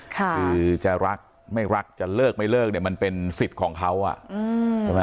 คือจะรักไม่รักจะเลิกไม่เลิกเนี่ยมันเป็นสิทธิ์ของเขาอ่ะใช่ไหม